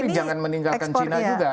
tetapi jangan meninggalkan china juga